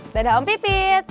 dadah om pipit